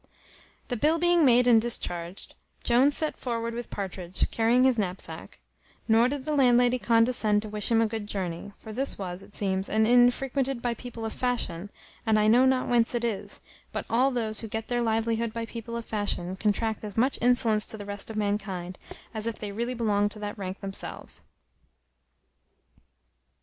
The bill being made and discharged, Jones set forward with Partridge, carrying his knapsack; nor did the landlady condescend to wish him a good journey; for this was, it seems, an inn frequented by people of fashion; and I know not whence it is, but all those who get their livelihood by people of fashion, contract as much insolence to the rest of mankind, as if they really belonged to that rank themselves.